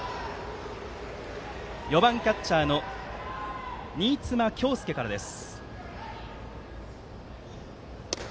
４番キャッチャーの新妻恭介からです。